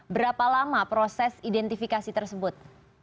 berapa lama proses identifikasi tersebut